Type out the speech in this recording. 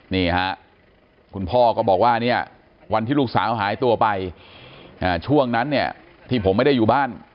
นี่ฮะคุณพ่อก็บอกว่าเนี่ยวันที่ลูกสาวหายตัวไปช่วงนั้นเนี่ยที่ผมไม่ได้อยู่บ้าน